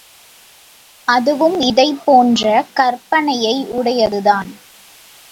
அதுவும் இதைப் போன்ற கற்பனையை உடையதுதான்.